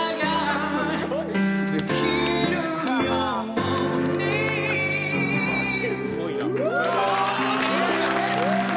マジですごいな。